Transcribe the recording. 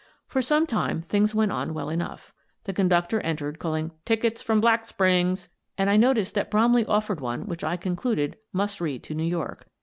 For some time things went on well enough. The conductor entered, calling " Tickets from Black Springs !" and I noticed that Bromley offered one which I concluded must read to New York.